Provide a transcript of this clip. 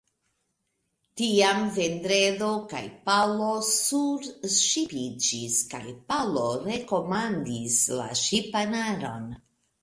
Tiam Vendredo kaj Paŭlo surŝipiĝis, kaj Paŭlo rekomandis la ŝipanaron.